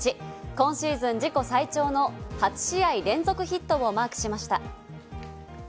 今シーズン自己最長の８試合連続ヒットをマークしました。